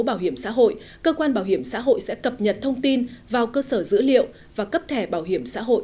bảo hiểm xã hội cơ quan bảo hiểm xã hội sẽ cập nhật thông tin vào cơ sở dữ liệu và cấp thẻ bảo hiểm xã hội